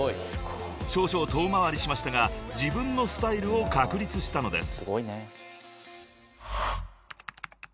［少々遠回りしましたが自分のスタイルを確立したのです］